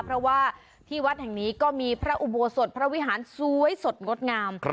เพราะว่าที่วัดแห่งนี้ก็มีพระอุโบสถพระวิหารสวยสดงดงาม